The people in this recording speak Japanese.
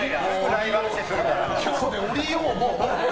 今日で降りよう、もう。